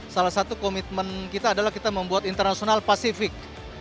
salah satu komitmen kita adalah kita membuat internasional pasifik